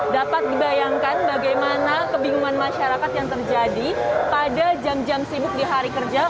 dapat dibayangkan bagaimana kebingungan masyarakat yang terjadi pada jam jam sibuk di hari kerja